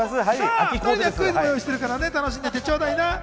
クイズも用意してるから、楽しんでってちょうだい。